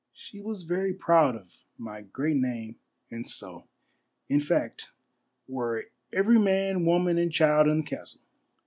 She was very proud of my great name and so, in fact, were every man, woman, and child in the castle.